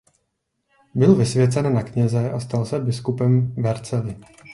Byl vysvěcen na kněze a stal se biskupem Vercelli.